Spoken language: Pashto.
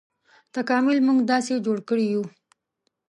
تکامل موږ داسې جوړ کړي یوو.